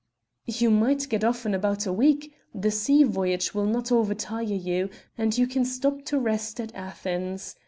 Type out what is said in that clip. "You might get off in about a week; the sea voyage will not over tire you, and you can stop to rest at Athens.